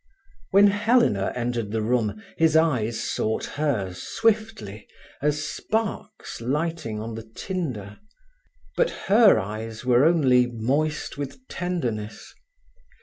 When Helena entered the room his eyes sought hers swiftly, as sparks lighting on the tinder. But her eyes were only moist with tenderness.